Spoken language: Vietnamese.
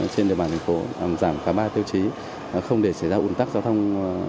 trên địa bàn thành phố giảm cả ba tiêu chí không để xảy ra ủn tắc giao thông